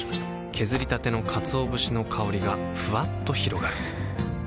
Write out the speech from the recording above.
削りたてのかつお節の香りがふわっと広がるはぁ。